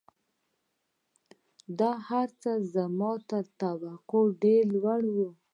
دا هرڅه زما تر توقعاتو ډېر لوړ وو